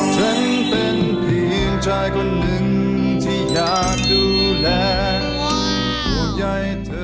ฉันเป็นเพียงชายคนนึงที่อยากดูแลร่วมยัยเธอ